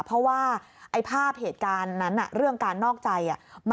เพราะว่าไอ้ภาพเหตุการณ์นั้นเรื่องการนอกใจ